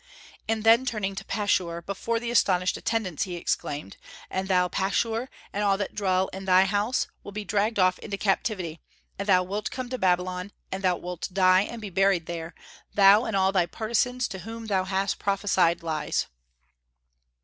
And then turning to Pashur, before the astonished attendants, he exclaimed: "And thou, Pashur, and all that dwell in thy house, will be dragged off into captivity; and thou wilt come to Babylon, and thou wilt die and be buried there, thou and all thy partisans to whom thou hast prophesied lies."